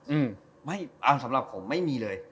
อืมไม่เอาสำหรับผมไม่มีเลย